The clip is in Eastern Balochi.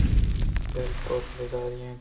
دلپرٛوش ءُبیزاری اِنت